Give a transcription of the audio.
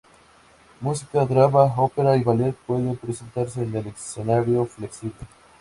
Música, drama, ópera y ballet pueden presentarse en el escenario flexible.